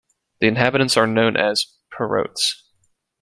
The inhabitants are known as "Perotes".